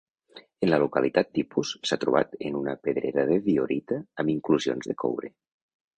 En la localitat tipus s'ha trobat en una pedrera de diorita amb inclusions de coure.